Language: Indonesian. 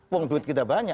uang duit kita banyak